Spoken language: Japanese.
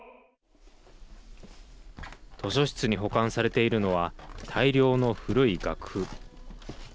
図書室に保管されているのは大量の古い楽譜。